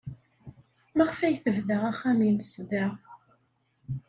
Maɣef ay tebda axxam-nnes da?